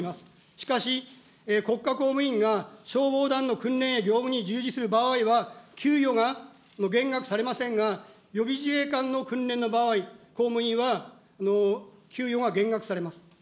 しかし、国家公務員が消防団の訓練や業務に従事する場合は、給与が減額されませんが、予備自衛官の訓練の場合、公務員は給与が減額されます。